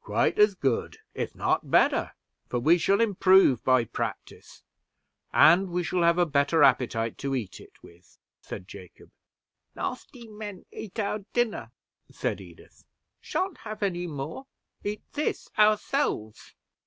"Quite as good, if not better; for we shall improve by practice, and we shall have a better appetite to eat it with," said Jacob. "Nasty men eat our dinner," said Edith. "Shan't have any more. Eat this ourselves."